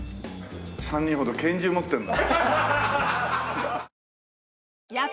３人ほど拳銃持ってるんだ。